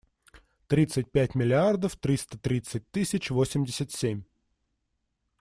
Тридцать пять миллиардов триста тридцать тысяч восемьдесят семь.